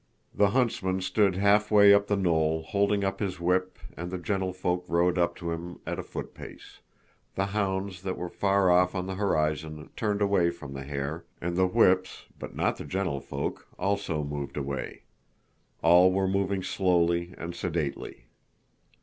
The huntsman stood halfway up the knoll holding up his whip and the gentlefolk rode up to him at a footpace; the hounds that were far off on the horizon turned away from the hare, and the whips, but not the gentlefolk, also moved away. All were moving slowly and sedately.